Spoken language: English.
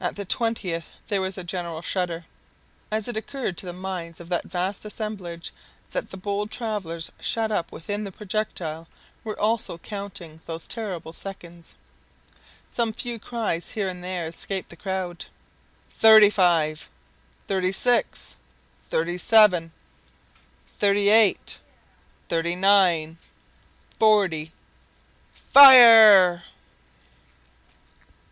At the twentieth there was a general shudder, as it occurred to the minds of that vast assemblage that the bold travelers shut up within the projectile were also counting those terrible seconds. Some few cries here and there escaped the crowd. "Thirty five!—thirty six!—thirty seven!—thirty eight!—thirty nine!— forty! FIRE!!!"